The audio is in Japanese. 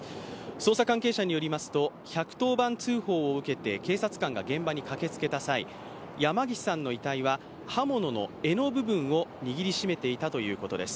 捜査関係者によりますと１１０番通報を受けて警察官が現場に駆けつけた際、山岸さんの遺体は刃物の柄の部分を握り締めていたということです。